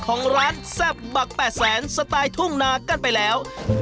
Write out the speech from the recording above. ของร้านแซ่บบัก๘แสนสไตล์ทุ่งนากันไปแล้ว